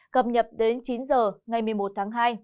cập nhập đến chín h ngày một mươi một tháng hai